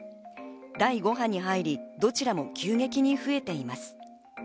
第５波に入り、どちらも急激に増えています。